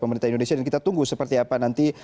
pemerintah indonesia dan kita tunggu seperti apa nanti